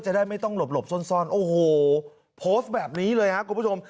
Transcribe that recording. จะได้ไม่ต้องหลบซ่อนโอ้โหโพสต์แบบนี้เลยครับคุณผู้ชม